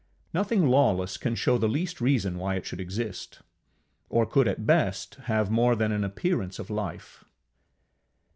Nothing lawless can show the least reason why it should exist, or could at best have more than an appearance of life.